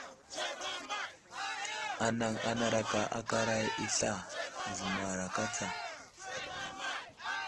Anaŋ anaraka aka aray i sla, zəmaraka tsa.